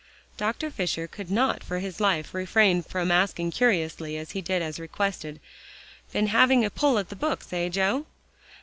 Dr. Fisher could not for his life, refrain from asking curiously, as he did as requested, "Been having a pull at the books, eh, Joe?"